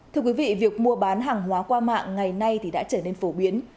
thưa quý vị việc mua bán hàng hóa qua mạng ngày nay thì đã trở nên phổ biến